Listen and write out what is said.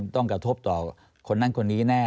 ต้องกระทบต่อคนนั้นคนนี้แน่